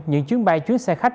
những chuyến bay chuyến xe khách